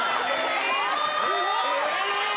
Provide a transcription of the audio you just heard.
すごい！